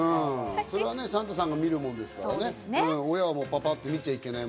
それはね、サンタさんが見るものですから、親はパパっと見ちゃいけない。